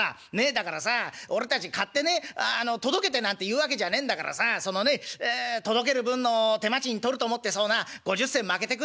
だからさあ俺たち買ってね届けてなんて言うわけじゃねえんだからさあそのね届ける分の手間賃取ると思ってそうな５０銭まけてくんねえかな？」。